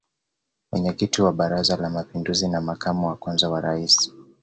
Mwenyekiti wa Baraza la mapinduzi na makamu wa kwanza wa Rais